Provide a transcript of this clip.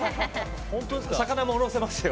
魚も下ろせますよ。